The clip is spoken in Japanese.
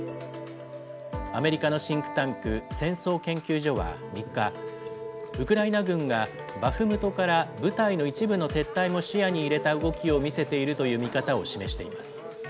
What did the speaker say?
アメリカのシンクタンク、戦争研究所は３日、ウクライナ軍がバフムトから部隊の一部の撤退も視野に入れた動きを見せているという見方を示しています。